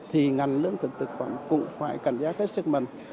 thì ngành lưỡng thực phẩm cũng phải cảnh giá hết sức mạnh